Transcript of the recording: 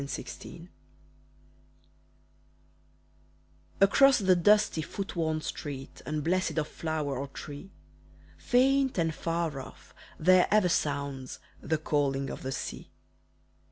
THE CALL Across the dusty, foot worn street Unblessed of flower or tree, Faint and far off there ever sounds The calling of the sea.